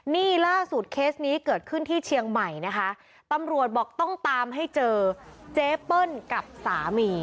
นี่ล่าสุดเคสนี้เกิดขึ้นที่เชียงใหม่นะคะตำรวจบอกต้องตามให้เจอเจเปิ้ลกับสามี